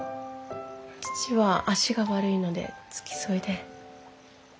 父は足が悪いので付き添いで。